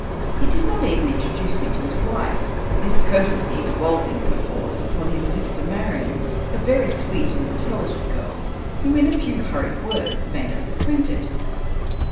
He did not even introduce me to his wife; — this courtesy devolving, perforce, upon his sister Marian — a very sweet and intelligent girl, who, in a few hurried words, made us acquainted.